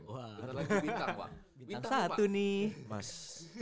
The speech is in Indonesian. bener bener bintang wang bintang bintang